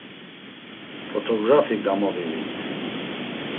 Fotoğrafi gamoviğit.